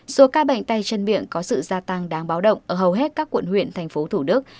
số ca bệnh tay chân miệng có sự gia tăng đáng báo động ở hầu hết các quận huyện tp hcm